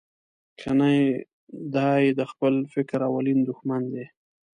کنه دای د خپل فکر اولین دوښمن دی.